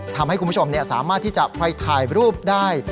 ทำให้คุณผู้ชมสามารถที่จะไปถ่ายรูปได้